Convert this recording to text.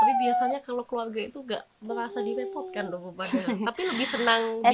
tapi biasanya kalau keluarga itu tidak merasa direpotkan bukan